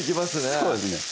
そうですね